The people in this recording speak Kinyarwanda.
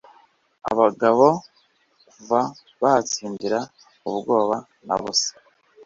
Abagabo kuva batsindira Ubwoba na busa